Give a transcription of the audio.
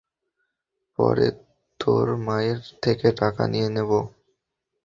পরে তোর মায়ের থেকে টাকা নিয়ে নেবো।